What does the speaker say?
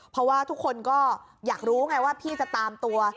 เพราะว่าทุกคนก็อยากรู้ไงว่าพี่จะตามตัว